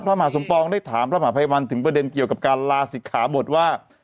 พระมหาสมปองได้ถามพระมหาภัยวันถึงประเด็นเกี่ยวกับการลาศิกขาบทว่า